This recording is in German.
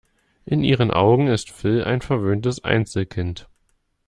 In ihren Augen ist Phil ein verwöhntes Einzelkind.